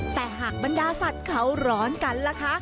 แต่หากบรรดาสัตว์เขาร้อนกันล่ะคะ